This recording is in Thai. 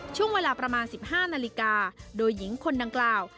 ช่วงเวลาประมาณ๑๕นาฬิกาโดยหญิงคนดังกล่าว